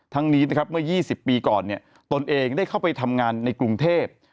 นี้นะครับเมื่อ๒๐ปีก่อนตนเองได้เข้าไปทำงานในกรุงเทพ